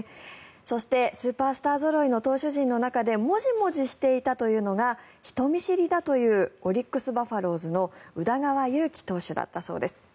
そして、スーパースターぞろいの投手陣の中でもじもじしていたというのが人見知りだというオリックス・バファローズの宇田川優希投手だったそうです。